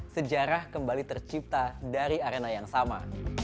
sejarah kembali tercipta dari arena yang sama